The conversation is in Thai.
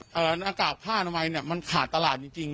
หน้ากากผ้าทำไมมันขาดตลาดจริง